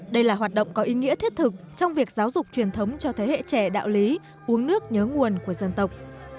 đây là hoạt động có ý nghĩa thiết thực trong việc giáo dục truyền thống cho thế hệ trẻ đạo lý uống nước nhớ nguồn của dân tộc